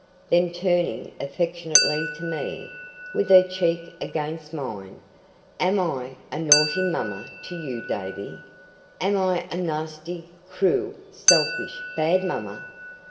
Then, turning affectionately to me, with her cheek against mine, 'Am I a naughty mama to you, Davy? Am I a nasty, cruel, selfish, bad mama?